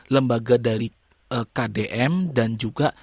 lembaga dari kdm dan juga